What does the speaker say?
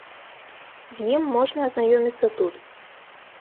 З ім можна азнаёміцца тут.